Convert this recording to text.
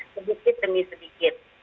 sedikit demi sedikit